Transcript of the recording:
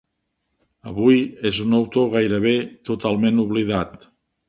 Avui és un autor gairebé totalment oblidat.